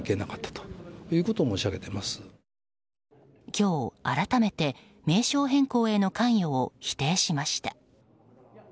今日改めて名称変更への関与を否定しました。